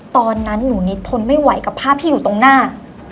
ตอนนั้นหนูนิดทนไม่ไหวกับภาพที่อยู่ตรงหน้า